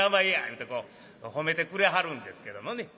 言うてこう褒めてくれはるんですけどもね。